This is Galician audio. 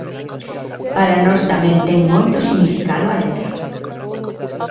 Para nós tamén ten moito significado a letra.